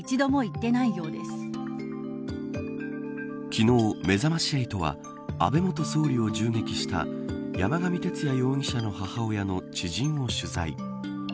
昨日、めざまし８は安倍元総理を銃撃した山上徹也容疑者の母親の知人を取材。